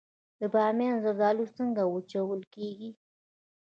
د بامیان زردالو څنګه وچول کیږي؟